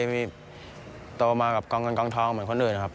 มีโตมากับกองเงินกองทองเหมือนคนอื่นครับ